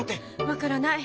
分からない。